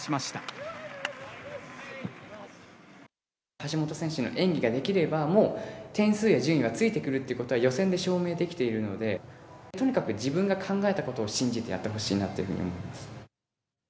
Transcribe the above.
橋本選手の演技ができれば、もう点数や順位はついてくるってことは、予選で証明できているので、とにかく自分が考えたことを信じてやってほしいなっていうふうに思います。